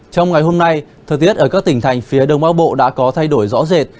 trong ngày hôm nay thời tiết ở các tỉnh thành phía đông bắc bộ đã có thay đổi rõ rệt